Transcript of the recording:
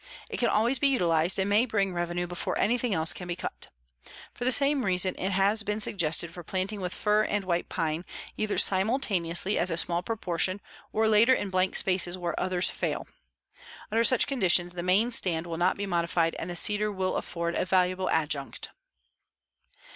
It can always be utilized and may bring revenue before anything else can be cut. For the same reason it has been suggested for planting with fir and white pine, either simultaneously as a small proportion or later in blank spaces where the others fail. Under such conditions the main stand will not be modified and the cedar will afford a valuable adjunct.